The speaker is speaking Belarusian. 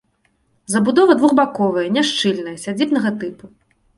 Забудова двухбаковая, няшчыльная, сядзібнага тыпу.